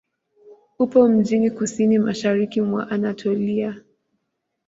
Upo mjini kusini-mashariki mwa Anatolia.